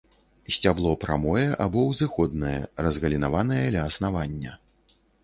Сцябло прамое або узыходнае, разгалінаванае ля аснавання.